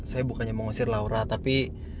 saya bukannya mau ngusir laura tapi